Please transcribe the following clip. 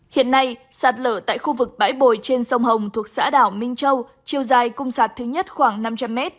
hiện nay sạt lở tại khu vực bãi bồi trên sông hồng thuộc xã đảo minh châu chiều dài cung sạt thứ nhất khoảng năm trăm linh m